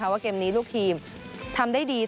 ว่าเกมนี้ลูกทีมทำได้ดี